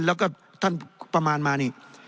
แล้วก็ท่านประมาณมานี่